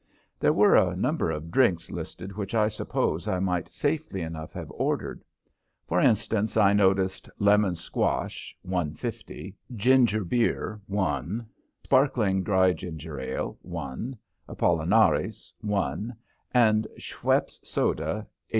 There were a number of drinks listed which I suppose I might safely enough have ordered. For instance, I noticed "Lemon Squash, 1.50," "Ginger Beer, 1 ," "Sparkling Dry Ginger Ale, 1 ," "Apollinaris, 1 ," and "Schweppes Soda, 0.